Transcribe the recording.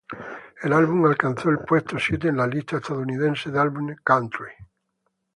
El álbum alcanzó el puesto siete en la lista estadounidense de álbumes "country".